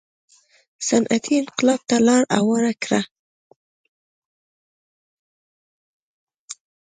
صنعتي انقلاب ته لار هواره کړه.